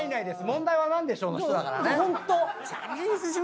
問題は何でしょうの人だからね。